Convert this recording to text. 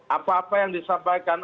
apa apa yang disampaikan